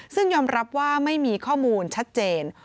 ซึ่งยอมรับว่าไม่มีข้อมูลชัดเจน